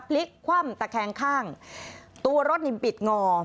พลิกคว่ำแต่แข็งข้างตัวรถนิ่มปิดงอ